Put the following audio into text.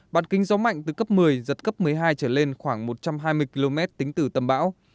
bản kinh gió mạnh từ cấp một mươi giật cấp một mươi hai trở lên khoảng một trăm hai mươi km tính từ tâm bão